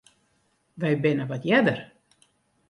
Wy binne wat earder.